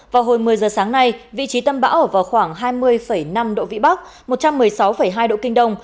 vào hồi một mươi giờ sáng nay vị trí tâm bão ở vào khoảng hai mươi năm độ vĩ bắc một trăm một mươi sáu hai độ kinh đông